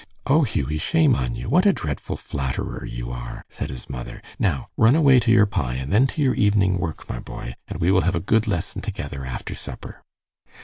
"Oh, Hughie, shame on you! What a dreadful flatterer you are!" said his mother. "Now, run away to your pie, and then to your evening work, my boy, and we will have a good lesson together after supper."